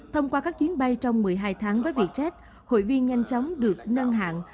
thông qua các chuyến bay trong một mươi hai tháng với vietjet hội viên nhanh chóng được nâng hạng